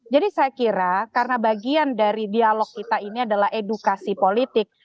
saya kira karena bagian dari dialog kita ini adalah edukasi politik